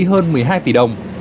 hơn một mươi hai tỷ đồng